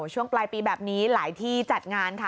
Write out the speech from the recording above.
ช่วงปลายปีแบบนี้หลายที่จัดงานค่ะ